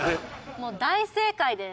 もう大正解です。